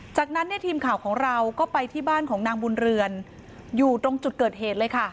จากนั้นเนี่ยทีมข่าวของเราก็ไปที่บ้านของนางบุญเรือนอยู่ตรงจุดเกิดเหตุเลยค่ะ